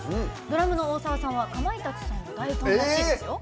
ドラムの大澤さんはかまいたちさんの大ファンらしいですよ。